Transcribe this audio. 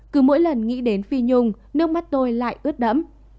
cứ mỗi lần nghĩ đến phi nhung nước mắt tôi lại ướt đẫm